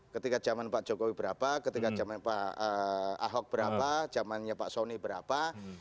ketika zaman pak jokowi berapa ketika zaman pak ahok berapa jamannya pak soni berapa